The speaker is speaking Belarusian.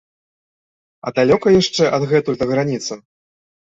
А далёка яшчэ адгэтуль да граніцы?